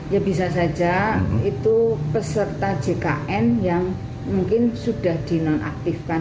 ya bisa saja itu peserta jkn yang mungkin sudah dinonaktifkan